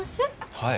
はい。